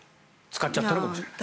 使っちゃったのかもしれない。